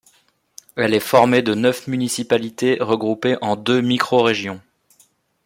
Elle est formée de neuf municipalités regroupées en deux microrégions.